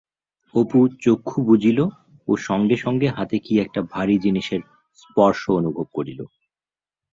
অপু চক্ষু বুজিল ও সঙ্গে সঙ্গে হাতে কি একটা ভারী জিনিসের স্পর্শ অনুভব করিল।